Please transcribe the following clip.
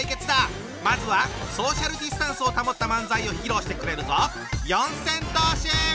まずはソーシャルディスタンスを保った漫才を披露してくれるぞ。